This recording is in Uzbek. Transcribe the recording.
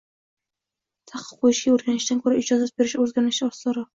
taʼqiq qo‘yishga o‘rganishdan ko‘ra ijozat berishga o‘rganish osonroq.